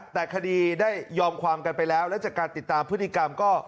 แต่คดีได้ยอมความกันไปแล้วแล้วจากการติดตามพฤติกรรมก็